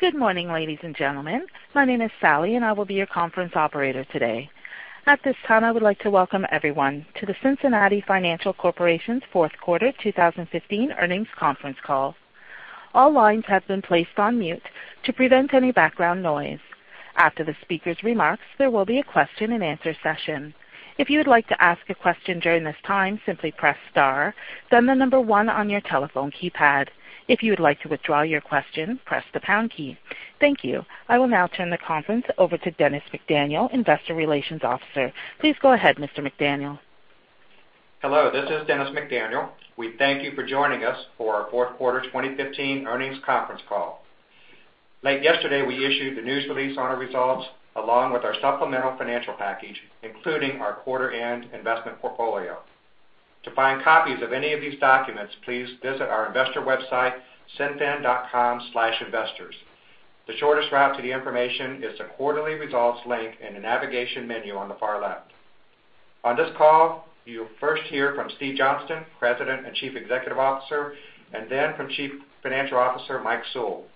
Good morning, ladies and gentlemen. My name is Sally, and I will be your conference operator today. At this time, I would like to welcome everyone to the Cincinnati Financial Corporation's fourth quarter 2015 earnings conference call. All lines have been placed on mute to prevent any background noise. After the speaker's remarks, there will be a question and answer session. If you would like to ask a question during this time, simply press star, then 1 on your telephone keypad. If you would like to withdraw your question, press the pound key. Thank you. I will now turn the conference over to Dennis McDaniel, Investor Relations Officer. Please go ahead, Mr. McDaniel. Hello, this is Dennis McDaniel. We thank you for joining us for our fourth quarter 2015 earnings conference call. Late yesterday, we issued the news release on our results along with our supplemental financial package, including our quarter-end investment portfolio. To find copies of any of these documents, please visit our investor website, cinfin.com/investors. The shortest route to the information is the quarterly results link in the navigation menu on the far left. On this call, you'll first hear from Steve Johnston, President and Chief Executive Officer, and then from Chief Financial Officer Mike Sewell.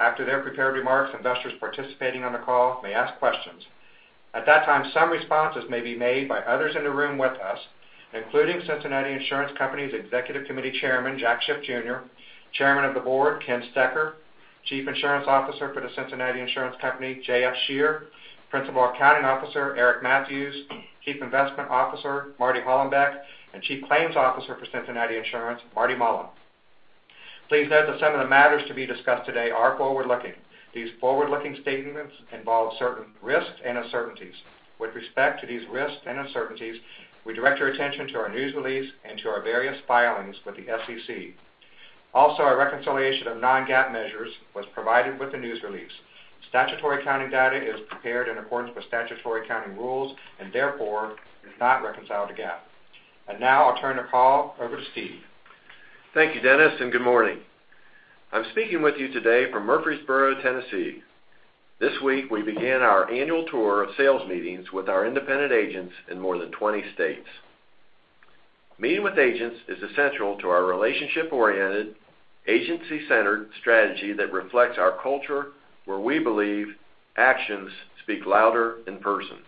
After their prepared remarks, investors participating on the call may ask questions. At that time, some responses may be made by others in the room with us, including The Cincinnati Insurance Company's Executive Committee Chairman, Jack Schiff Jr., Chairman of the Board, Ken Stoecker, Chief Insurance Officer for The Cincinnati Insurance Company, J.F. Scherer, Principal Accounting Officer, Eric Mathews, Chief Investment Officer, Marty Hollenbeck, and Chief Claims Officer for The Cincinnati Insurance Company, Marty Mullen. Please note that some of the matters to be discussed today are forward-looking. These forward-looking statements involve certain risks and uncertainties. With respect to these risks and uncertainties, we direct your attention to our news release and to our various filings with the SEC. Also, our reconciliation of non-GAAP measures was provided with the news release. Statutory accounting data is prepared in accordance with statutory accounting rules and therefore is not reconciled to GAAP. Now I'll turn the call over to Steve. Thank you, Dennis, good morning. I'm speaking with you today from Murfreesboro, Tennessee. This week, we began our annual tour of sales meetings with our independent agents in more than 20 states. Meeting with agents is essential to our relationship-oriented, agency-centered strategy that reflects our culture, where we believe actions speak louder in person.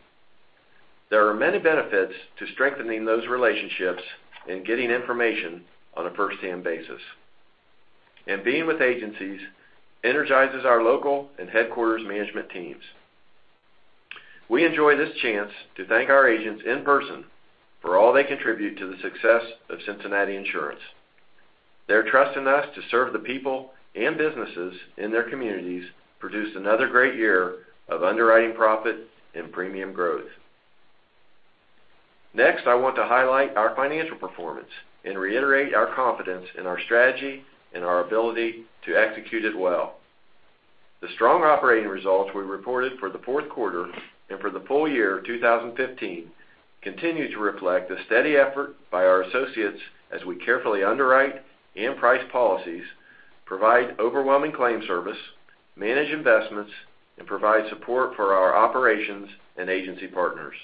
Being with agencies energizes our local and headquarters management teams. We enjoy this chance to thank our agents in person for all they contribute to the success of The Cincinnati Insurance Company. Their trust in us to serve the people and businesses in their communities produced another great year of underwriting profit and premium growth. Next, I want to highlight our financial performance and reiterate our confidence in our strategy and our ability to execute it well. The strong operating results we reported for the fourth quarter and for the full year 2015 continue to reflect the steady effort by our associates as we carefully underwrite and price policies, provide overwhelming claim service, manage investments, and provide support for our operations and agency partners.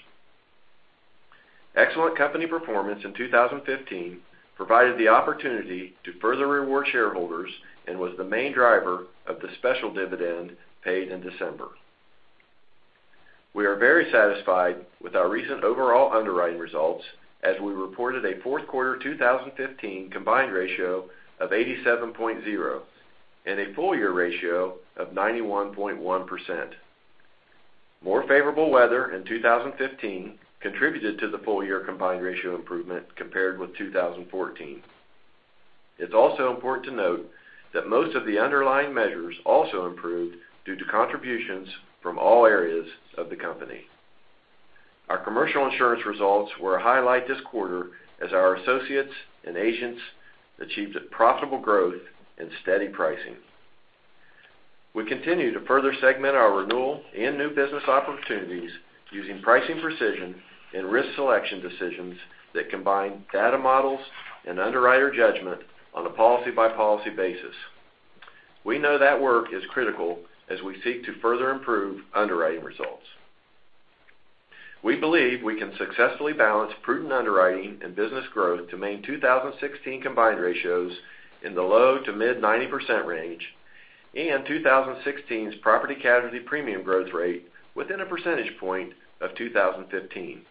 Excellent company performance in 2015 provided the opportunity to further reward shareholders and was the main driver of the special dividend paid in December. We are very satisfied with our recent overall underwriting results as we reported a fourth quarter 2015 combined ratio of 87.0 and a full-year ratio of 91.1%. More favorable weather in 2015 contributed to the full-year combined ratio improvement compared with 2014. It's also important to note that most of the underlying measures also improved due to contributions from all areas of the company. Our commercial insurance results were a highlight this quarter as our associates and agents achieved profitable growth and steady pricing. We continue to further segment our renewal and new business opportunities using pricing precision and risk selection decisions that combine data models and underwriter judgment on a policy-by-policy basis. We know that work is critical as we seek to further improve underwriting results. We believe we can successfully balance prudent underwriting and business growth to maintain 2016 combined ratios in the low to mid 90% range and 2016's property casualty premium growth rate within a percentage point of 2015.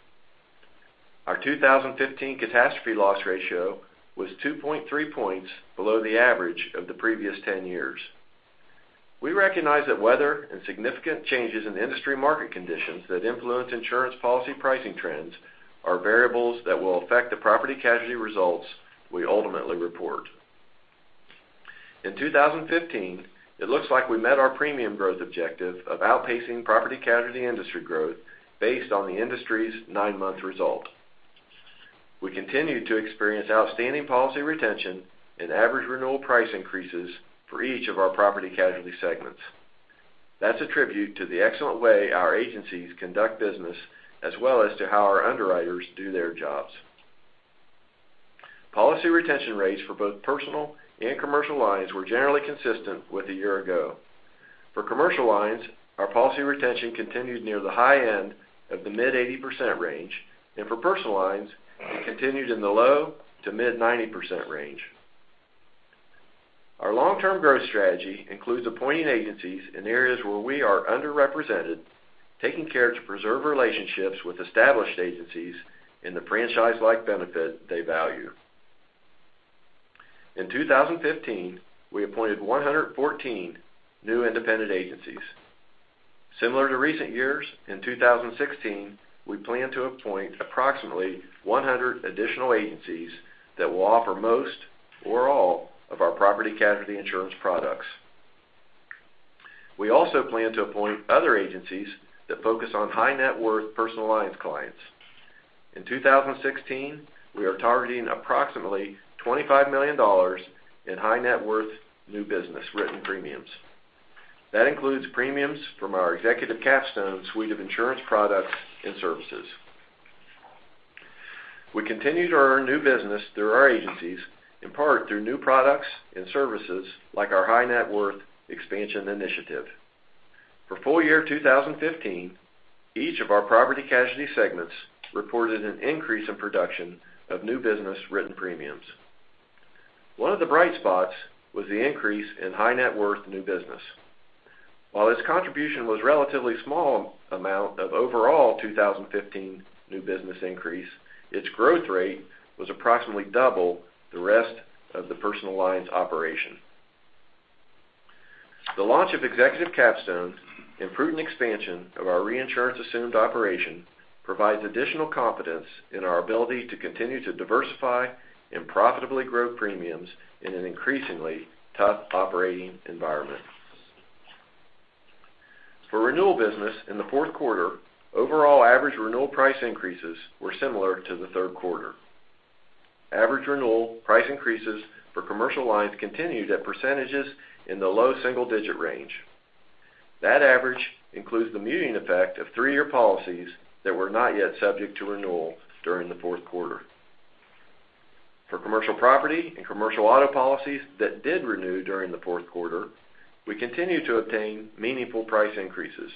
Our 2015 catastrophe loss ratio was 2.3 points below the average of the previous 10 years. We recognize that weather and significant changes in industry market conditions that influence insurance policy pricing trends are variables that will affect the property casualty results we ultimately report. In 2015, it looks like we met our premium growth objective of outpacing property casualty industry growth based on the industry's nine-month result. We continued to experience outstanding policy retention and average renewal price increases for each of our property casualty segments. That's a tribute to the excellent way our agencies conduct business as well as to how our underwriters do their jobs. Policy retention rates for both personal and commercial lines were generally consistent with a year ago. For commercial lines, our policy retention continued near the high end of the mid 80% range, and for personal lines, it continued in the low to mid 90% range. Our long-term growth strategy includes appointing agencies in areas where we are underrepresented, taking care to preserve relationships with established agencies in the franchise-like benefit they value. In 2015, we appointed 114 new independent agencies. Similar to recent years, in 2016, we plan to appoint approximately 100 additional agencies that will offer most or all of our property casualty insurance products. We also plan to appoint other agencies that focus on high-net-worth personal lines clients. In 2016, we are targeting approximately $25 million in high-net-worth new business written premiums. That includes premiums from our Executive Capstone suite of insurance products and services. We continue to earn new business through our agencies, in part through new products and services like our high-net-worth expansion initiative. For full year 2015, each of our property casualty segments reported an increase in production of new business written premiums. One of the bright spots was the increase in high-net-worth new business. While its contribution was a relatively small amount of overall 2015 new business increase, its growth rate was approximately double the rest of the personal lines operation. The launch of Executive Capstone, improved expansion of our reinsurance assumed operation, provides additional confidence in our ability to continue to diversify and profitably grow premiums in an increasingly tough operating environment. For renewal business in the fourth quarter, overall average renewal price increases were similar to the third quarter. Average renewal price increases for commercial lines continued at percentages in the low single-digit range. That average includes the muting effect of three-year policies that were not yet subject to renewal during the fourth quarter. For commercial property and commercial auto policies that did renew during the fourth quarter, we continue to obtain meaningful price increases,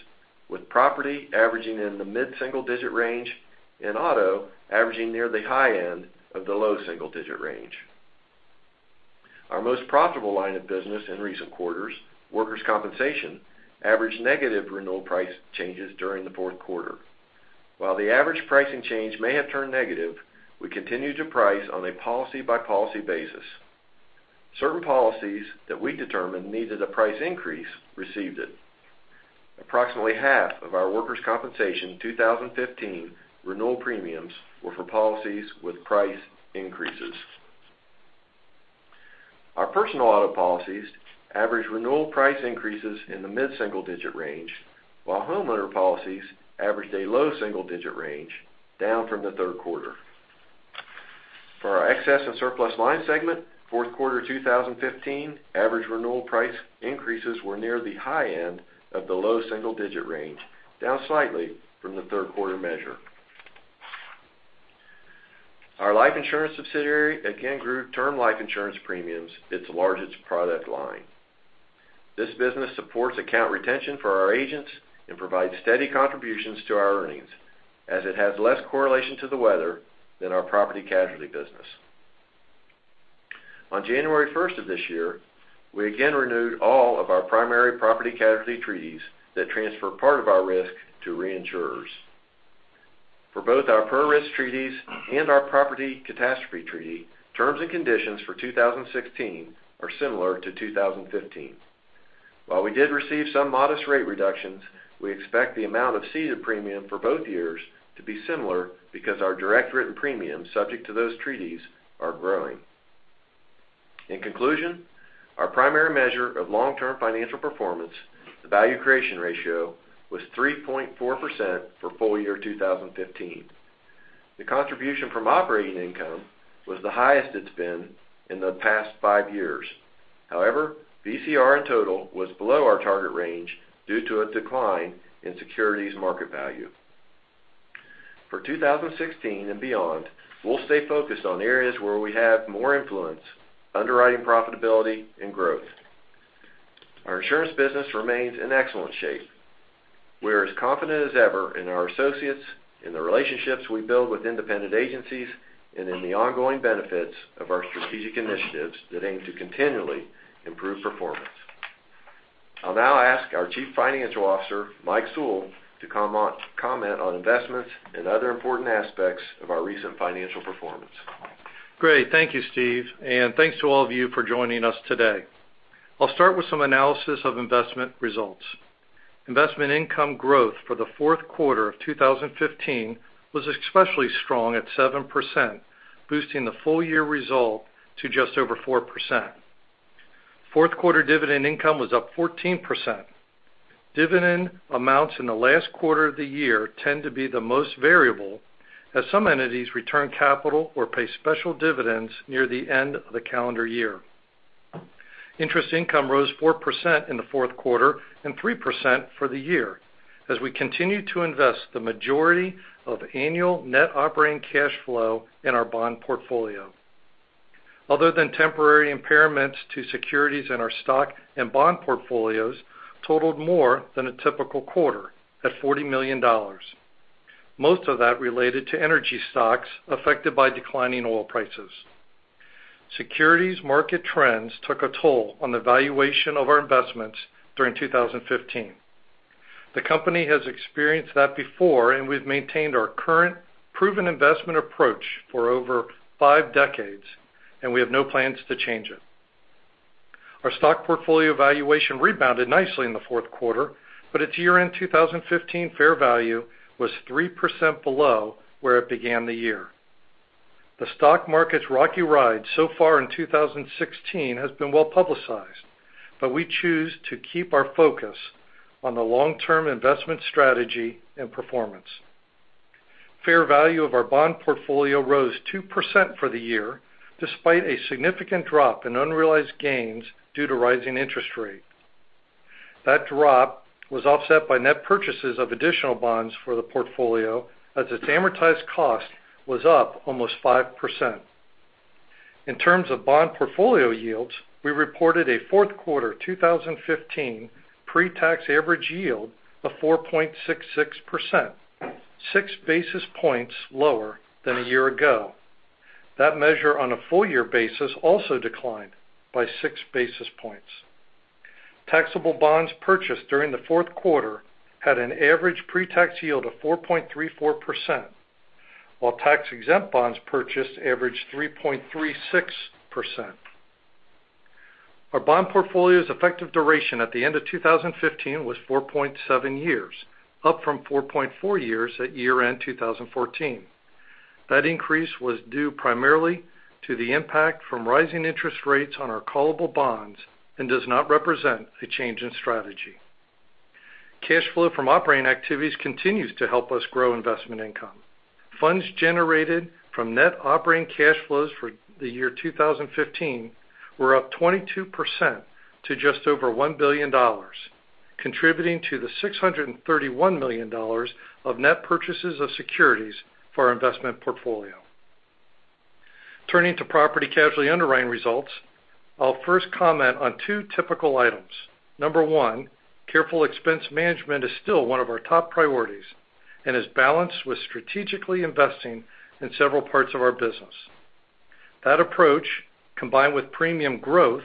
with property averaging in the mid-single-digit range and auto averaging near the high end of the low single-digit range. Our most profitable line of business in recent quarters, workers' compensation, averaged negative renewal price changes during the fourth quarter. While the average pricing change may have turned negative, we continue to price on a policy-by-policy basis. Certain policies that we determined needed a price increase received it. Approximately half of our workers' compensation 2015 renewal premiums were for policies with price increases. Our personal auto policies average renewal price increases in the mid-single-digit range, while homeowner policies averaged a low single-digit range, down from the third quarter. For our excess and surplus line segment, fourth quarter 2015 average renewal price increases were near the high end of the low single-digit range, down slightly from the third quarter measure. Our life insurance subsidiary again grew term life insurance premiums, its largest product line. This business supports account retention for our agents and provides steady contributions to our earnings, as it has less correlation to the weather than our property casualty business. On January 1st of this year, we again renewed all of our primary property casualty treaties that transfer part of our risk to reinsurers. For both our pro rata treaties and our property catastrophe treaty, terms and conditions for 2016 are similar to 2015. While we did receive some modest rate reductions, we expect the amount of ceded premium for both years to be similar because our direct written premiums subject to those treaties are growing. In conclusion, our primary measure of long-term financial performance, the value creation ratio, was 3.4% for full year 2015. The contribution from operating income was the highest it's been in the past five years. However, VCR in total was below our target range due to a decline in securities market value. For 2016 and beyond, we'll stay focused on areas where we have more influence, underwriting profitability, and growth. Our insurance business remains in excellent shape. We're as confident as ever in our associates, in the relationships we build with independent agencies, and in the ongoing benefits of our strategic initiatives that aim to continually improve performance. I'll now ask our Chief Financial Officer, Mike Sewell, to comment on investments and other important aspects of our recent financial performance. Great. Thank you, Steve, and thanks to all of you for joining us today. I'll start with some analysis of investment results. Investment income growth for the fourth quarter of 2015 was especially strong at 7%, boosting the full-year result to just over 4%. Fourth quarter dividend income was up 14%. Dividend amounts in the last quarter of the year tend to be the most variable, as some entities return capital or pay special dividends near the end of the calendar year. Interest income rose 4% in the fourth quarter and 3% for the year, as we continue to invest the majority of annual net operating cash flow in our bond portfolio. Other than temporary impairments to securities in our stock and bond portfolios totaled more than a typical quarter at $40 million. Most of that related to energy stocks affected by declining oil prices. Securities market trends took a toll on the valuation of our investments during 2015. The company has experienced that before, and we've maintained our current proven investment approach for over five decades, and we have no plans to change it. Our stock portfolio valuation rebounded nicely in the fourth quarter. Its year-end 2015 fair value was 3% below where it began the year. The stock market's rocky ride so far in 2016 has been well-publicized. We choose to keep our focus on the long-term investment strategy and performance. Fair value of our bond portfolio rose 2% for the year, despite a significant drop in unrealized gains due to rising interest rate. That drop was offset by net purchases of additional bonds for the portfolio, as its amortized cost was up almost 5%. In terms of bond portfolio yields, we reported a fourth quarter 2015 pre-tax average yield of 4.66%, six basis points lower than a year ago. That measure on a full year basis also declined by six basis points. Taxable bonds purchased during the fourth quarter had an average pre-tax yield of 4.34%, while tax-exempt bonds purchased averaged 3.36%. Our bond portfolio's effective duration at the end of 2015 was 4.7 years, up from 4.4 years at year-end 2014. That increase was due primarily to the impact from rising interest rates on our callable bonds and does not represent a change in strategy. Cash flow from operating activities continues to help us grow investment income. Funds generated from net operating cash flows for the year 2015 were up 22% to just over $1 billion, contributing to the $631 million of net purchases of securities for our investment portfolio. Turning to property casualty underwriting results, I'll first comment on two typical items. Number 1, careful expense management is still one of our top priorities and is balanced with strategically investing in several parts of our business. That approach, combined with premium growth,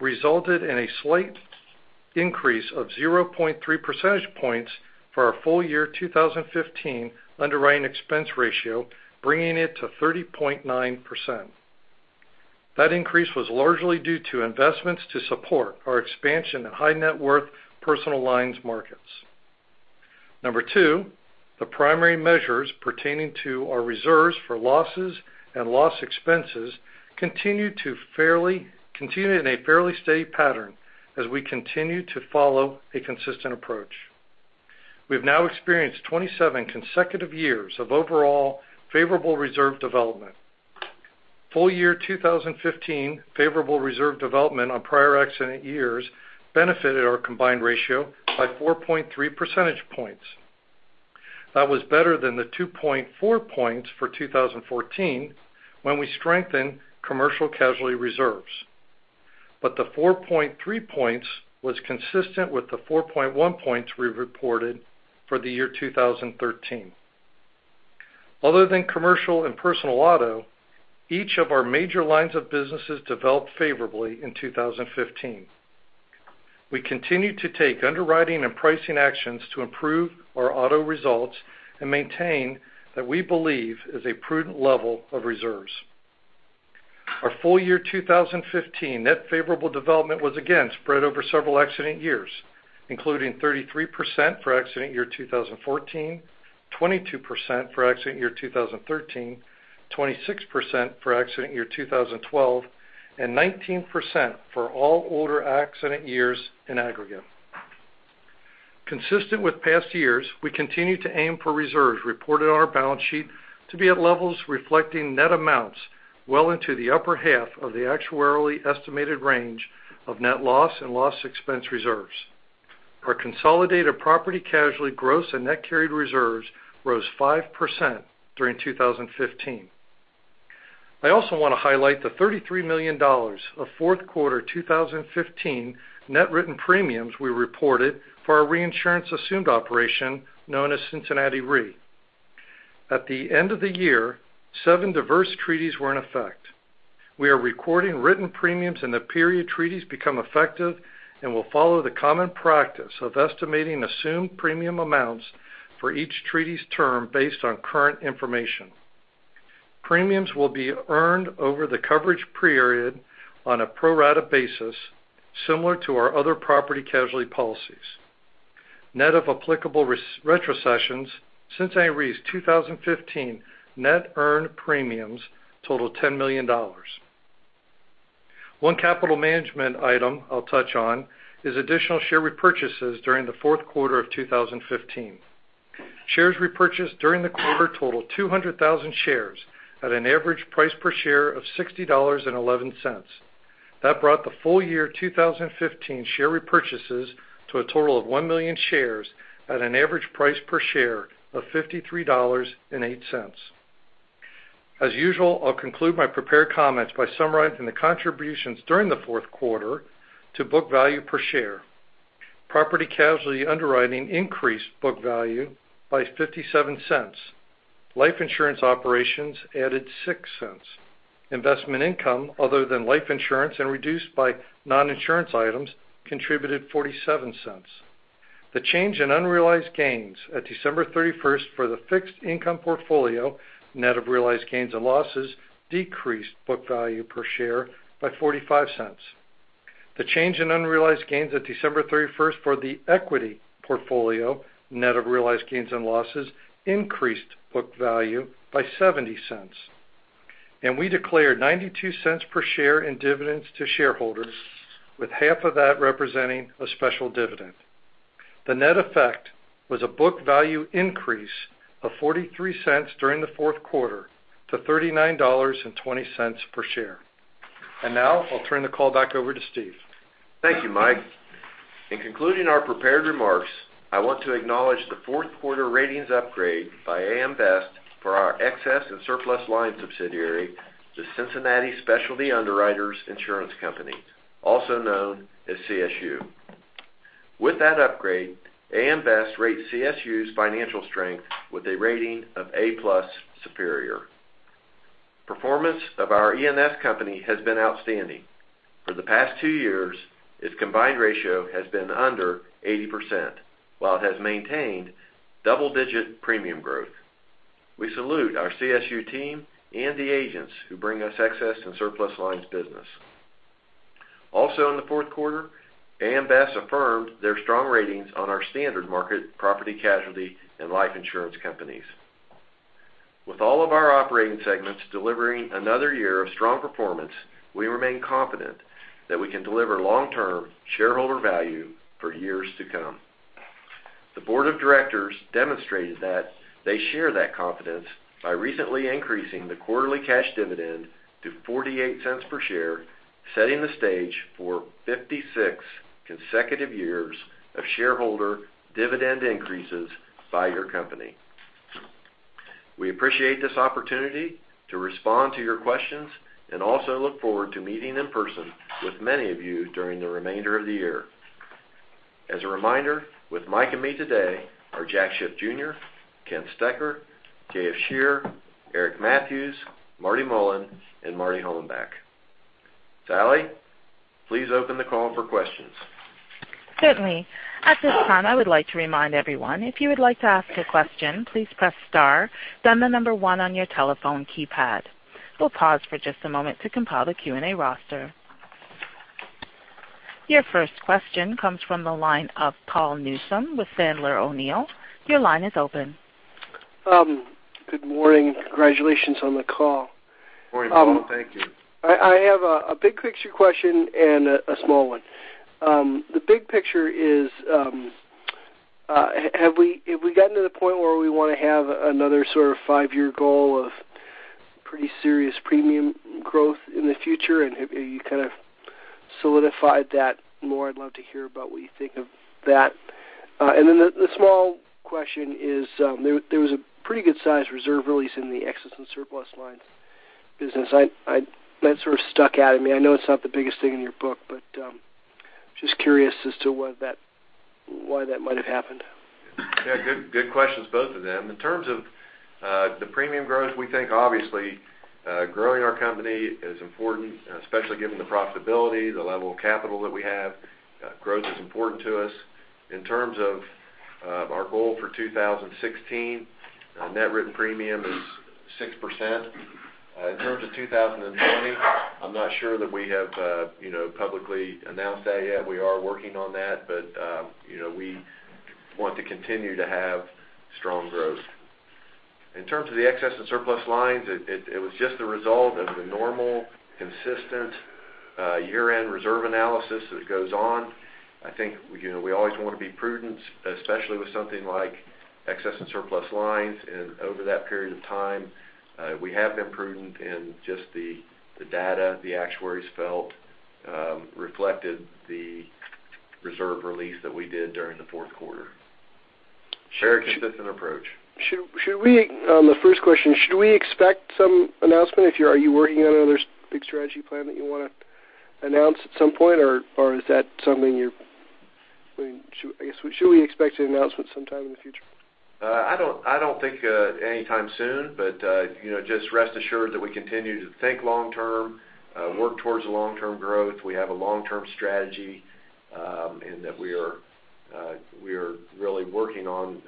resulted in a slight increase of 0.3 percentage points for our full year 2015 underwriting expense ratio, bringing it to 30.9%. That increase was largely due to investments to support our expansion in high net worth personal lines markets. Number 2, the primary measures pertaining to our reserves for losses and loss expenses continue in a fairly steady pattern as we continue to follow a consistent approach. We've now experienced 27 consecutive years of overall favorable reserve development. Full year 2015 favorable reserve development on prior accident years benefited our combined ratio by 4.3 percentage points. That was better than the 2.4 points for 2014, when we strengthened commercial casualty reserves. The 4.3 points was consistent with the 4.1 points we reported for the year 2013. Other than commercial and personal auto, each of our major lines of businesses developed favorably in 2015. We continue to take underwriting and pricing actions to improve our auto results and maintain what we believe is a prudent level of reserves. Our full year 2015 net favorable development was again spread over several accident years, including 33% for accident year 2014, 22% for accident year 2013, 26% for accident year 2012, and 19% for all older accident years in aggregate. Consistent with past years, we continue to aim for reserves reported on our balance sheet to be at levels reflecting net amounts well into the upper half of the actuarially estimated range of net loss and loss expense reserves. Our consolidated property casualty gross and net carried reserves rose 5% during 2015. I also want to highlight the $33 million of fourth quarter 2015 net written premiums we reported for our reinsurance assumed operation known as Cincinnati Re. At the end of the year, seven diverse treaties were in effect. We are recording written premiums in the period treaties become effective and will follow the common practice of estimating assumed premium amounts for each treaty's term based on current information. Premiums will be earned over the coverage period on a pro rata basis, similar to our other property casualty policies. Net of applicable retrocessions, Cincinnati Re's 2015 net earned premiums totaled $10 million. One capital management item I'll touch on is additional share repurchases during the fourth quarter of 2015. Shares repurchased during the quarter totaled 200,000 shares at an average price per share of $60.11. That brought the full year 2015 share repurchases to a total of 1 million shares at an average price per share of $53.08. As usual, I'll conclude my prepared comments by summarizing the contributions during the fourth quarter to book value per share. Property casualty underwriting increased book value by $0.57. Life insurance operations added $0.06. Investment income other than life insurance and reduced by non-insurance items contributed $0.47. The change in unrealized gains at December 31st for the fixed income portfolio, net of realized gains and losses, decreased book value per share by $0.45. The change in unrealized gains at December 31st for the equity portfolio, net of realized gains and losses, increased book value by $0.70. We declared $0.92 per share in dividends to shareholders, with half of that representing a special dividend. The net effect was a book value increase of $0.43 during the fourth quarter to $39.20 per share. Now I'll turn the call back over to Steve. Thank you, Mike. In concluding our prepared remarks, I want to acknowledge the fourth quarter ratings upgrade by AM Best for our excess and surplus line subsidiary, The Cincinnati Specialty Underwriters Insurance Company, also known as CSU. With that upgrade, AM Best rates CSU's financial strength with a rating of A+ Superior. Performance of our E&S company has been outstanding. For the past two years, its combined ratio has been under 80%, while it has maintained double-digit premium growth. We salute our CSU team and the agents who bring us excess and surplus lines business. Also in the fourth quarter, AM Best affirmed their strong ratings on our standard market property casualty and life insurance companies. With all of our operating segments delivering another year of strong performance, we remain confident that we can deliver long-term shareholder value for years to come. The board of directors demonstrated that they share that confidence by recently increasing the quarterly cash dividend to $0.48 per share, setting the stage for 56 consecutive years of shareholder dividend increases by your company. We appreciate this opportunity to respond to your questions and also look forward to meeting in person with many of you during the remainder of the year. As a reminder, with Mike and me today are Jack Schiff Jr., Ken Stoecker, J.F. Scherer, Eric Mathews, Marty Mullen, and Marty Hollenbeck. Sally, please open the call for questions. Certainly. At this time, I would like to remind everyone, if you would like to ask a question, please press star, then the number one on your telephone keypad. We'll pause for just a moment to compile the Q&A roster. Your first question comes from the line of Paul Newsome with Sandler O'Neill. Your line is open. Good morning. Congratulations on the call. Morning, Paul. Thank you. I have a big picture question and a small one. The big picture is, have we gotten to the point where we want to have another sort of five-year goal of pretty serious premium growth in the future? Have you kind of solidified that more? I'd love to hear about what you think of that. The small question is, there was a pretty good size reserve release in the excess and surplus line business. That sort of stuck out at me. I know it's not the biggest thing in your book, but just curious as to why that might have happened. Yeah. Good questions, both of them. In terms of the premium growth, we think obviously growing our company is important, especially given the profitability, the level of capital that we have. Growth is important to us. In terms of our goal for 2016, net written premium is 6%. In terms of 2020, I'm not sure that we have publicly announced that yet. We are working on that. We want to continue to have strong growth. In terms of the excess and surplus lines, it was just the result of the normal, consistent year-end reserve analysis that goes on. I think we always want to be prudent, especially with something like excess and surplus lines. Over that period of time, we have been prudent in just the data the actuaries felt reflected the reserve release that we did during the fourth quarter. Very consistent approach. On the first question, should we expect some announcement? Are you working on another big strategy plan that you want to announce at some point, or is that something I guess, should we expect an announcement sometime in the future? I don't think anytime soon, just rest assured that we continue to think long term, work towards the long-term growth. We have a long-term strategy, and that we are really working on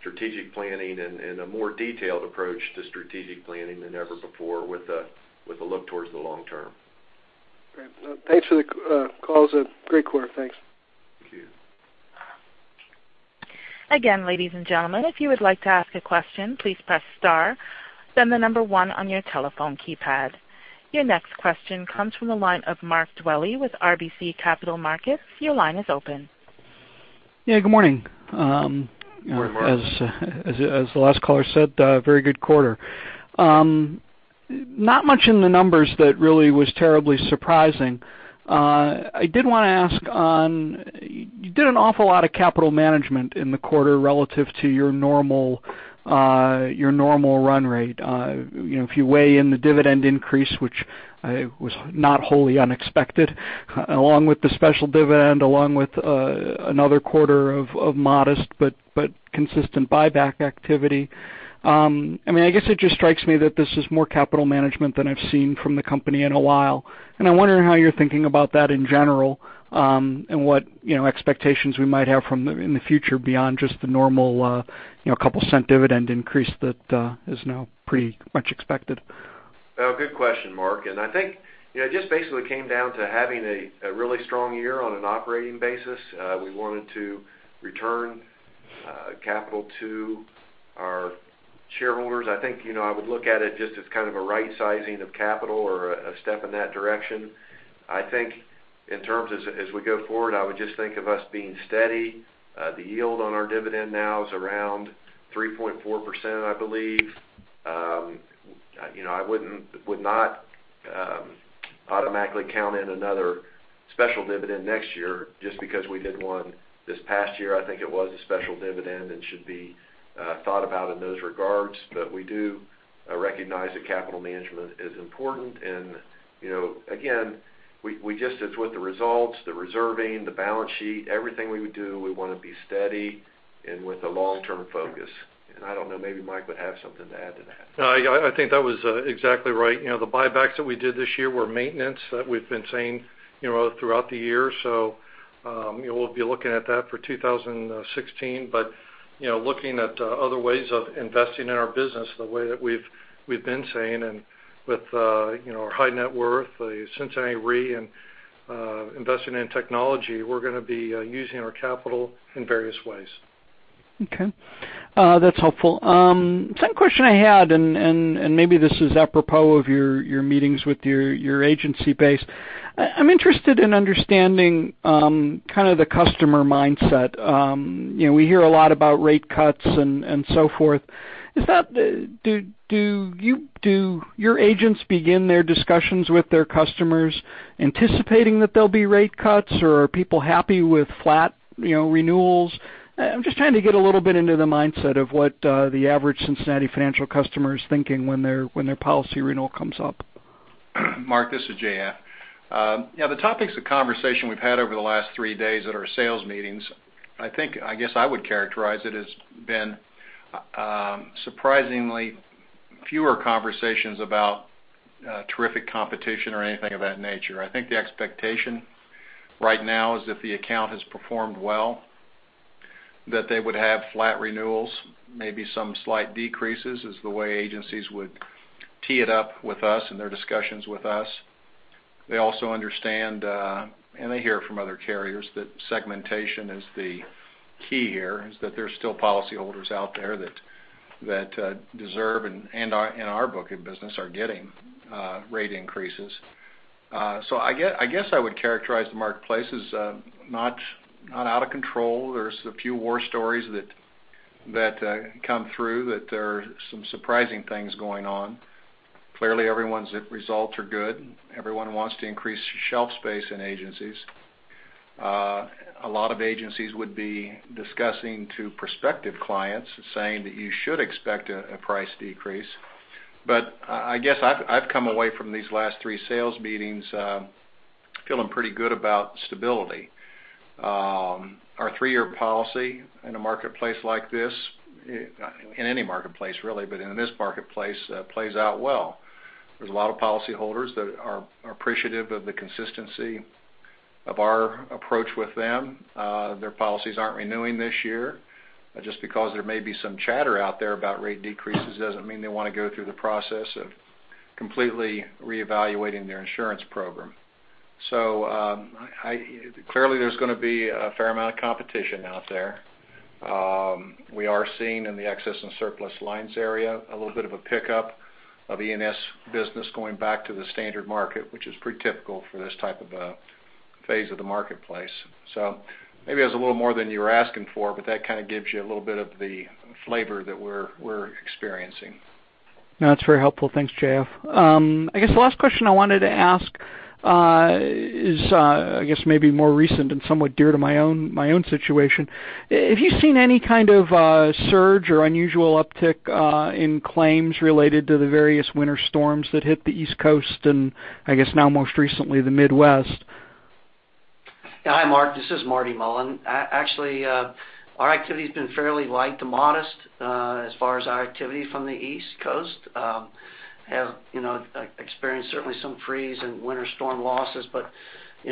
strategic planning and a more detailed approach to strategic planning than ever before with a look towards the long term. Great. Thanks for the call. It's a great quarter. Thanks. Thank you. Again, ladies and gentlemen, if you would like to ask a question, please press star, then the number one on your telephone keypad. Your next question comes from the line of Mark Dwelle with RBC Capital Markets. Your line is open. Yeah, good morning. Good morning, Mark. As the last caller said, a very good quarter. Not much in the numbers that really was terribly surprising. I did want to ask on You did an awful lot of capital management in the quarter relative to your normal run rate. If you weigh in the dividend increase, which was not wholly unexpected, along with the special dividend, along with another quarter of modest but consistent buyback activity. I guess it just strikes me that this is more capital management than I've seen from the company in a while, and I wonder how you're thinking about that in general, and what expectations we might have from them in the future beyond just the normal $0.02 dividend increase that is now pretty much expected. Good question, Mark. I think it just basically came down to having a really strong year on an operating basis. We wanted to return capital to our shareholders. I think, I would look at it just as kind of a right sizing of capital or a step in that direction. I think in terms as we go forward, I would just think of us being steady. The yield on our dividend now is around 3.4%, I believe. I would not automatically count in another special dividend next year just because we did one this past year. I think it was a special dividend and should be thought about in those regards. We do recognize that capital management is important and again, we just, as with the results, the reserving, the balance sheet, everything we would do, we want to be steady and with a long-term focus. I don't know, maybe Mike would have something to add to that. No, I think that was exactly right. The buybacks that we did this year were maintenance that we've been saying throughout the year. We'll be looking at that for 2016. Looking at other ways of investing in our business the way that we've been saying and with our high net worth, the Cincinnati Re and investing in technology, we're going to be using our capital in various ways. Okay. That's helpful. Second question I had, maybe this is apropos of your meetings with your agency base. I'm interested in understanding kind of the customer mindset. We hear a lot about rate cuts and so forth. Do your agents begin their discussions with their customers anticipating that there'll be rate cuts, or are people happy with flat renewals? I'm just trying to get a little bit into the mindset of what the average Cincinnati Financial customer is thinking when their policy renewal comes up. Mark, this is J.F. The topics of conversation we've had over the last three days at our sales meetings, I guess I would characterize it as been surprisingly fewer conversations about terrific competition or anything of that nature. I think the expectation right now is if the account has performed well, that they would have flat renewals, maybe some slight decreases is the way agencies would tee it up with us in their discussions with us. They also understand, they hear from other carriers that segmentation is the key here, is that there's still policy holders out there that deserve, and in our book of business are getting rate increases. I guess I would characterize the marketplace as not out of control. There's a few war stories that come through that there are some surprising things going on. Clearly, everyone's results are good. Everyone wants to increase shelf space in agencies. A lot of agencies would be discussing to prospective clients saying that you should expect a price decrease. I guess I've come away from these last 3 sales meetings feeling pretty good about stability. Our 3-year policy in a marketplace like this, in any marketplace really, but in this marketplace, plays out well. There's a lot of policyholders that are appreciative of the consistency of our approach with them. Their policies aren't renewing this year. Just because there may be some chatter out there about rate decreases doesn't mean they want to go through the process of completely reevaluating their insurance program. Clearly there's going to be a fair amount of competition out there. We are seeing in the excess and surplus lines area, a little bit of a pickup of E&S business going back to the standard market, which is pretty typical for this type of phase of the marketplace. Maybe that's a little more than you were asking for, but that kind of gives you a little bit of the flavor that we're experiencing. No, that's very helpful. Thanks, J.F. I guess the last question I wanted to ask is, I guess maybe more recent and somewhat dear to my own situation. Have you seen any kind of surge or unusual uptick in claims related to the various winter storms that hit the East Coast and I guess now most recently, the Midwest? Hi, Mark. This is Marty Mullen. Actually, our activity's been fairly light to modest as far as our activity from the East Coast. Have experienced certainly some freeze and winter storm losses.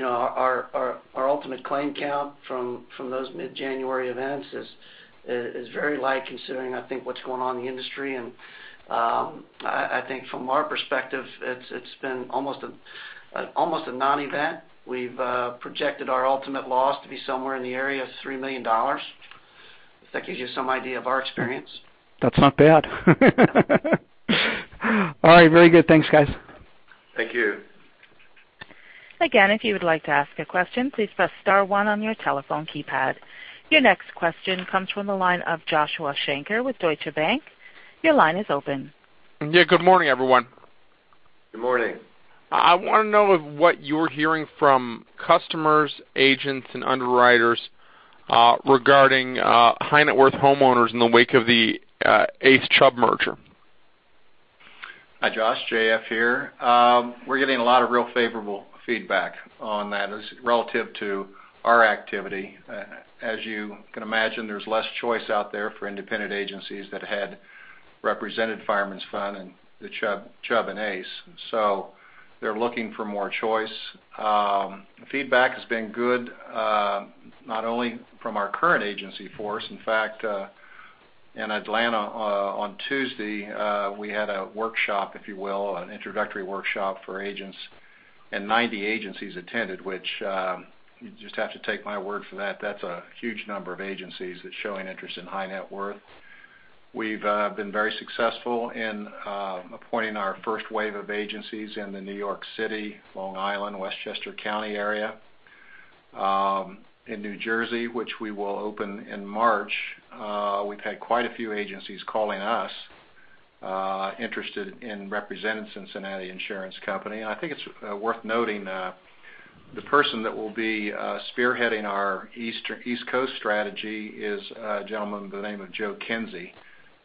Our ultimate claim count from those mid-January events is very light considering, I think, what's going on in the industry. I think from our perspective, it's been almost a non-event. We've projected our ultimate loss to be somewhere in the area of $3 million. If that gives you some idea of our experience. That's not bad. All right. Very good. Thanks, guys. Thank you. Again, if you would like to ask a question, please press star one on your telephone keypad. Your next question comes from the line of Joshua Shanker with Deutsche Bank. Your line is open. Yeah, good morning, everyone. Good morning. I want to know what you're hearing from customers, agents, and underwriters regarding high net worth homeowners in the wake of the ACE Chubb merger. Hi, Joshua. J.F. here. We're getting a lot of real favorable feedback on that as relative to our activity. As you can imagine, there's less choice out there for independent agencies that had represented Fireman's Fund and the Chubb and ACE, so they're looking for more choice. Feedback has been good, not only from our current agency force. In fact, in Atlanta on Tuesday, we had a workshop, if you will, an introductory workshop for agents, and 90 agencies attended, which you just have to take my word for that. That's a huge number of agencies that's showing interest in high net worth. We've been very successful in appointing our first wave of agencies in the New York City, Long Island, Westchester County area, in New Jersey, which we will open in March. We've had quite a few agencies calling us, interested in representing Cincinnati Insurance Company. I think it's worth noting the person that will be spearheading our East Coast strategy is a gentleman by the name of Joe Kinsey.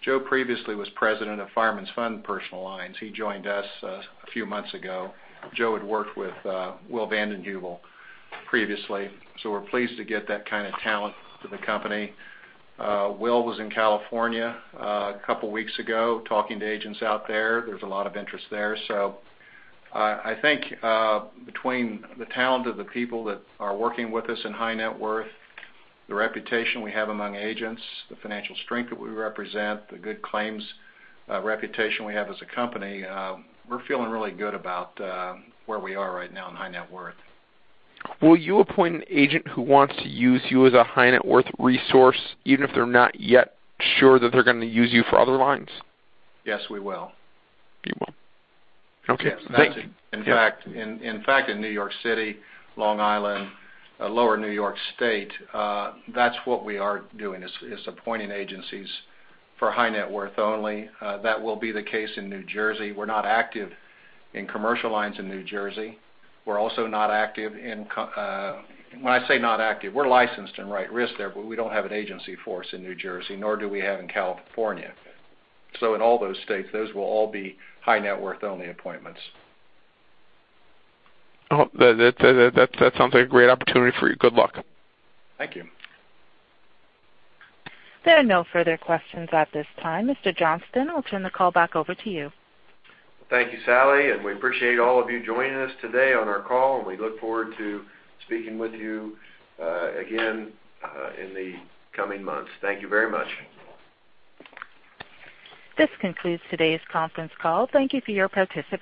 Joe previously was president of Fireman's Fund Personal Lines. He joined us a few months ago. Joe had worked with Will Van Den Heuvel previously, we're pleased to get that kind of talent to the company. Will was in California a couple weeks ago talking to agents out there. There's a lot of interest there. I think between the talent of the people that are working with us in high net worth, the reputation we have among agents, the financial strength that we represent, the good claims reputation we have as a company, we're feeling really good about where we are right now in high net worth. Will you appoint an agent who wants to use you as a high net worth resource, even if they're not yet sure that they're going to use you for other lines? Yes, we will. You will. Okay. Thank you. In fact, in New York City, Long Island, lower New York State, that's what we are doing, is appointing agencies for high net worth only. That will be the case in New Jersey. We're not active in commercial lines in New Jersey. We're also not active in when I say not active, we're licensed and write risk there, but we don't have an agency force in New Jersey, nor do we have in California. In all those states, those will all be high net worth only appointments. That sounds like a great opportunity for you. Good luck. Thank you. There are no further questions at this time. Mr. Johnston, I'll turn the call back over to you. Thank you, Sally, and we appreciate all of you joining us today on our call, and we look forward to speaking with you again in the coming months. Thank you very much. This concludes today's conference call. Thank you for your participation